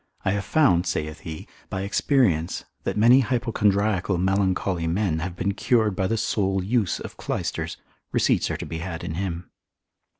I have found (saith he) by experience, that many hypochondriacal melancholy men have been cured by the sole use of clysters, receipts are to be had in him.